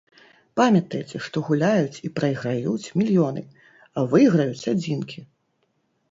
Памятайце, што гуляюць і прайграюць мільёны, а выйграюць адзінкі.